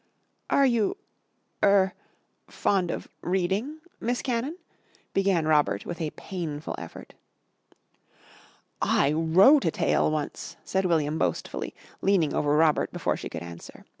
"Are you er fond of reading, Miss Cannon?" began Robert with a painful effort. "I wrote a tale once," said William boastfully, leaning over Robert before she could answer.